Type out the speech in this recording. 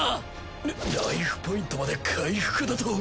ラライフポイントまで回復だと。